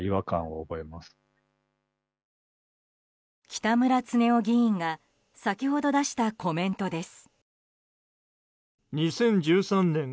北村経夫議員が先ほど出したコメントです。